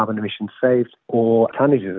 jadi itu adalah sumber yang bagus